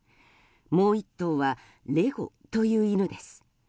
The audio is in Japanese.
もう１頭は、レゴという犬です。